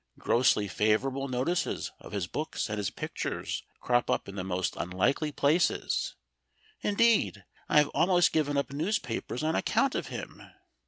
Grossly favourable notices of his books and his pictures crop up in the most unlikely places; indeed I have almost given up newspapers on account of him.